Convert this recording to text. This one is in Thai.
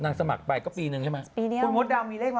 หน่าสมัครไปก็ปีหนึ่งใช่ไหม